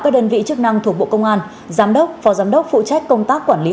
các đơn vị chức năng thuộc bộ công an giám đốc phó giám đốc phụ trách công tác quản lý